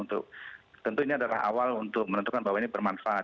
untuk tentu ini adalah awal untuk menentukan bahwa ini bermanfaat